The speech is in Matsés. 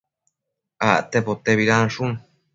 acte potebidanshun